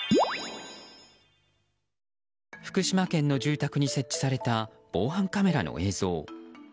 福島県の住宅に設置された防犯カメラの映像。